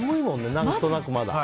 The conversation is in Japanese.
何となくまだ。